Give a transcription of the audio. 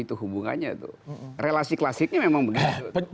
itu hubungannya tuh relasi klasiknya memang begitu